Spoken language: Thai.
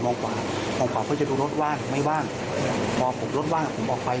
มองขวะมองขวากเปอร์จะดูรถว่างไม่ว่างพอรถว่างอะผมออกไป